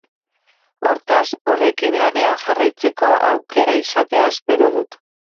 Hortaz, horrekin lanean jarraitzeko aukera izatea espero dut.